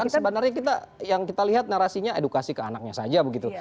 kan sebenarnya kita yang kita lihat narasinya edukasi ke anaknya saja begitu